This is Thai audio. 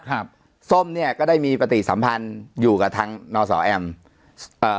ครับส้มเนี้ยก็ได้มีปฏิสัมพันธ์อยู่กับทางนอสอแอมเอ่อ